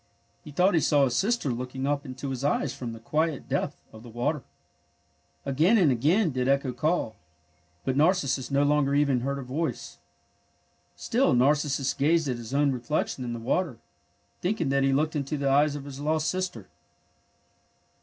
He thought he saw his sister looking up into his eyes from the quiet depth of the water. Again and again did Echo call, but Narcissus no longer even heard her voice. Still Narcissus gazed at his own reflection in the water, thinking that he looked into the eyes of his lost sister.